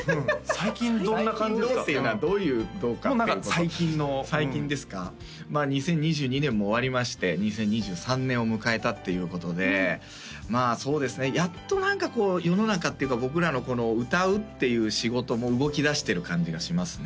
「最近どう？」っていうのは何か最近の最近ですか２０２２年も終わりまして２０２３年を迎えたっていうことでまあそうですねやっと何かこう世の中っていうか僕らのこの歌うっていう仕事も動きだしてる感じがしますね